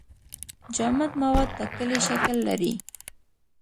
جامد مواد ټاکلی شکل لري.